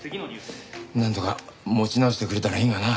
なんとか持ち直してくれたらいいがな。